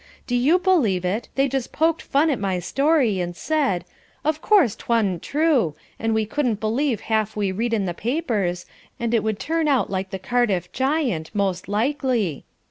Do you believe it, they just poked fun at my story, and said, 'of course 'twa'n't true, and we couldn't believe half we read in the papers, and it would tura out like the Cardiff giant, most likely.'